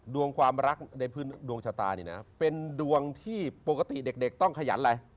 ความรักในพื้นดวงชะตานี่นะเป็นดวงที่ปกติเด็กต้องขยันอะไร